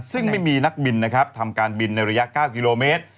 ซึ่งไม่มีนักบินนะครับทำการบินในระยะ๙กิโลเมตร